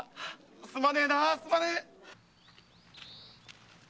すまねえなすまねえ！